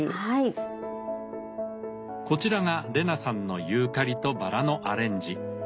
こちらが麗奈さんのユーカリとバラのアレンジ。